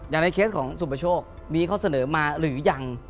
ในเคสของสุประโชคมีข้อเสนอมาหรือยัง